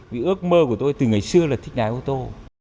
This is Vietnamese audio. vì ước mơ của tôi từ ngày xưa là thích lái ô tô